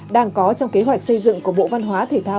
đang có trong kế hoạch xây dựng của bộ văn hóa thể thao